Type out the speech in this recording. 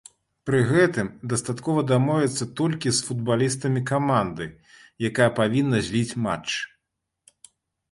Пры гэтым, дастаткова дамовіцца толькі з футбалістамі каманды, якая павінна зліць матч.